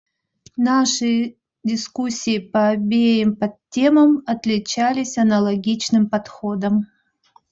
Наши дискуссии по обеим подтемам отличались аналогичным подходом.